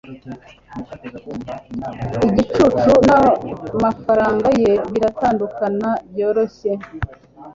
Igicucu n'amafaranga ye biratandukana byoroshye.